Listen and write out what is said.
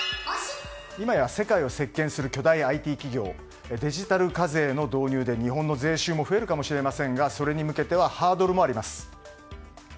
今や世界を席巻する巨大ＩＴ企業デジタル課税の導入で日本の税収も増えるかもしれませんがそれに向けてはハードルもあります。